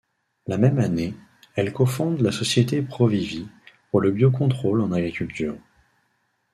La même année, elle cofonde la société Provivi, pour le biocontrôle en agriculture.